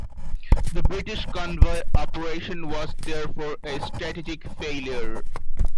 The British convoy operation was, therefore, a strategic failure.